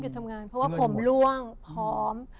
ต้องหยุดทำงานเพราะผมร่วงพร้อม